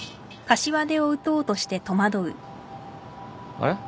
あれ？